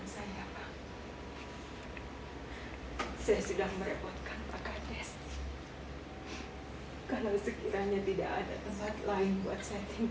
saya sudah merepotkan pak kandes kalau sekiranya tidak ada tempat lain buat setting